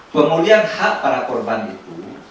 pemulihan hak para korban itu